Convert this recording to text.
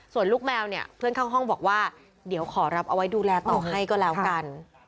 ส่วนลูกแมวเนี่ยเพื่อนข้างห้องบอกว่าเดี๋ยวขอรับเอาไว้ดูแลต่อให้ก็แล้วกัน